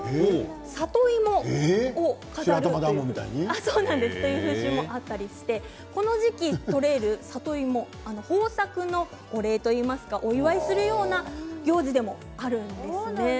里芋を飾ったりという風習があったりしてこの時期取れる里芋豊作のお礼といいますかお祝いするような行事でもあるんです。